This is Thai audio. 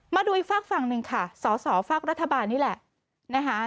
มาดูอีกฝากฝั่งหนึ่งค่ะสอสอฝากรัฐบาลนี่แหละนะคะ